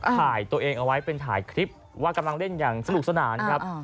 ถ่ายตัวเองเอาไว้เป็นถ่ายคลิปว่ากำลังเล่นอย่างสนุกสนานครับ